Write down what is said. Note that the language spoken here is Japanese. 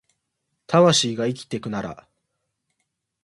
魂が生きてくなら